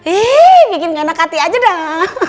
eh bikin anak hati aja dah